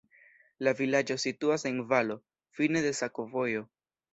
La vilaĝo situas en valo, fine de sakovojo.